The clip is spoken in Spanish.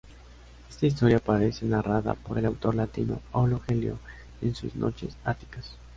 Esta historia aparece narrada por el autor latino Aulo Gelio en sus "Noches áticas".